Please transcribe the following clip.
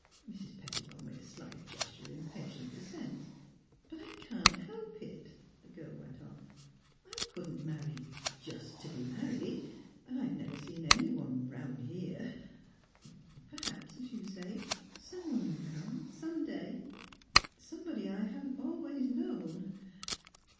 ■Mrs. Pettibone made a slight gesture of impa tient dissent. '' But I can't help it," the girl went on. I couldn't marry — just to be married, and I've never seen anyone — around here Perhaps, as you say, someone will come, some day, — somebody I haven't always known.